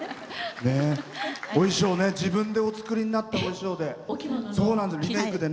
お衣装自分でお作りなったお衣装で。